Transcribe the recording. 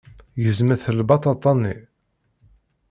Gezmet lbaṭaṭa-nni.